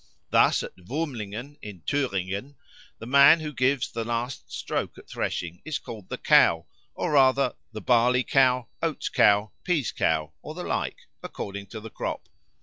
Thus at Wurmlingen, in Thüringen, the man who gives the last stroke at threshing is called the Cow, or rather the Barley cow, Oats cow, Peas cow, or the like, according to the crop.